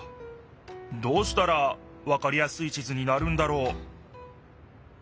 どうしたらわかりやすい地図になるんだろう？